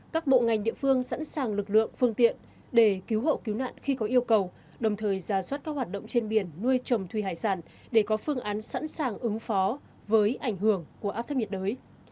các bộ ngành địa phương sẵn sàng lực lượng phương tiện để cứu hộ cứu nạn khi có yêu cầu đồng thời giả soát các hoạt động trên biển nuôi trồng thủy hải sản để có phương án sẵn sàng ứng phó với ảnh hưởng của áp thấp nhiệt đới